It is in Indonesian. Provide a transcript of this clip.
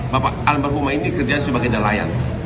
bapak almarhumah ini kerja sebagai nelayan